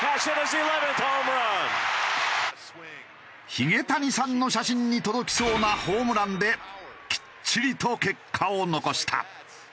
ひげ谷さんの写真に届きそうなホームランできっちりと結果を残した。